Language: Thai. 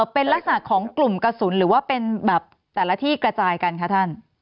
เป็นลักษณะของกลุ่มกระสุนหรือว่าเป็นแบบแต่ละที่กระจายกันคะท่าน